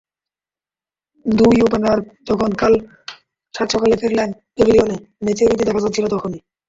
দুই ওপেনার যখন কাল সাতসকালেই ফিরলেন প্যাভিলিয়নে, ম্যাচের ইতি দেখা যাচ্ছিল তখনই।